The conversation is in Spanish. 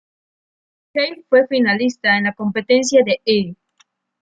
Lachey fue finalista en la competencia de E!